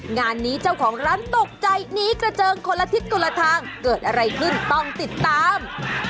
งานนี้เจ้าของร้านตกใจหนีกระเจิงคนละทิศคนละทางเกิดอะไรขึ้นต้องติดตาม